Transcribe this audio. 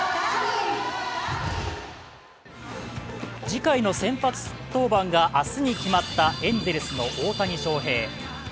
次回の先発登板が明日に決まったエンゼルスせの大谷翔平。